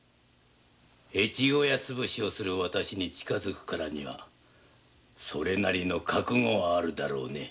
越後屋つぶしをする私に近づくからにはそれなりの覚悟はあるんだろうね？